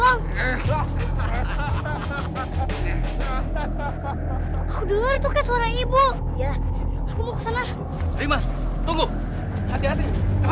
aku dengar itu suara ibu yang mau kesana lima tunggu hati hati